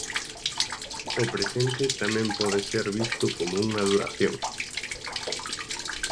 O presente tamén pode ser visto como unha duración.